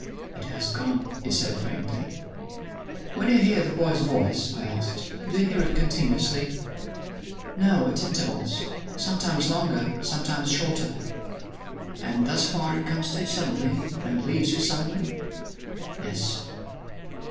"It has gone!" he said faintly. "When you hear the boy's voice," I asked, "do you hear it continuously?" "No, at intervals; sometimes longer, sometimes shorter." "And thus far, it comes to you suddenly, and leaves you suddenly?" "Yes."